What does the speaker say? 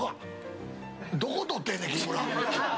どこ撮ってんねん、木村。